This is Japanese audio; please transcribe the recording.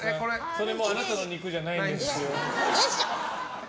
それもうあなたのお肉じゃないんですよ。